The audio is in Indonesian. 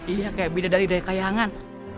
iya kayak beda dari daya kayangan